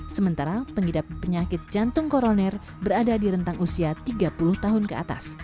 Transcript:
sementara pengidap penyakit jantung koroner berada di rentang usia tiga puluh tahun ke atas